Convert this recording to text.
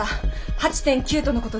８．９とのことです。